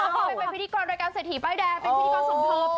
เป็นพิธีกรรายการเสถียร์ป้ายแดงเป็นพิธีกรสมทบจ้ะ